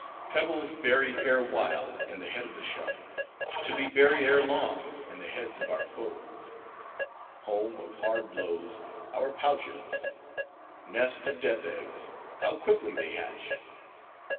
Pebbles, buried erewhile in the head of the shark: To be buried erelong in the heads of our foes! Home of hard blows, our pouches! Nest of death eggs! How quickly they hatch!